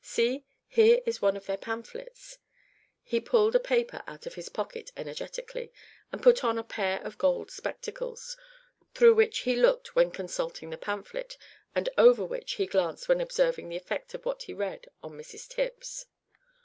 See, here is one of their pamphlets!" He pulled a paper out of his pocket energetically, and put on a pair of gold spectacles, through which he looked when consulting the pamphlet, and over which he glanced when observing the effect of what he read on Mrs Tipps.